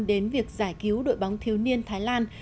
đến việc giải cứu đội bóng thiếu niên thái lan